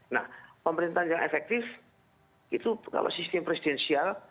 nah pemerintahan yang efektif itu kalau sistem presidensial